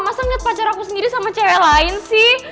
masa ngeliat pacar aku sendiri sama cewek lain sih